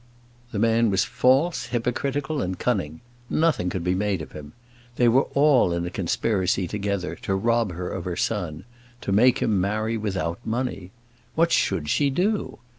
The man was false, hypocritical, and cunning. Nothing could be made of him. They were all in a conspiracy together to rob her of her son; to make him marry without money! What should she do?